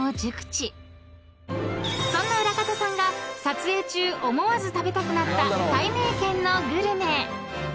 ［そんな裏方さんが撮影中思わず食べたくなったたいめいけんのグルメ］